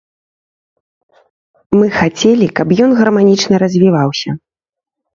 Мы хацелі, каб ён гарманічна развіваўся.